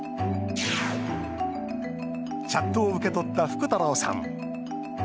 チャットを受け取った福太郎さん。